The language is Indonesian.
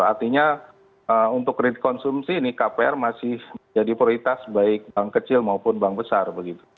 artinya untuk kredit konsumsi ini kpr masih menjadi prioritas baik bank kecil maupun bank besar